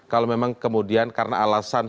kalau memang kemudian karena alasan